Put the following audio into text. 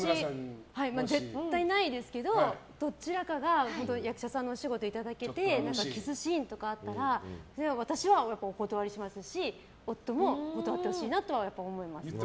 絶対ないですけどどちらかが役者さんのお仕事いただけてキスシーンとかあったら私はお断りしますし夫も断ってほしいなとは思います。